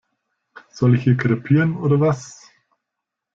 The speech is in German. Soll ich hier krepieren oder was?